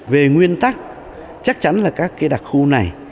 về nguyên tắc chắc chắn là các cái đặc khu này